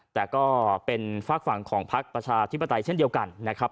แต่ก็เป็นฝากฝั่งของพักประชาธิปไตยเช่นเดียวกันนะครับ